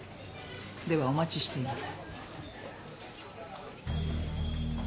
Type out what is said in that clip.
ではお待ちしています。